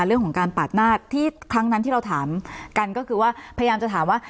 เรื่องของการปาดหน้าที่ครั้งนั้นที่เราถามกันก็คือว่าพยายามจะถามว่า